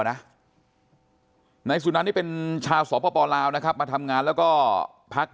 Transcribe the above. นะนายสุนันนี่เป็นชาวสปลาวนะครับมาทำงานแล้วก็พัก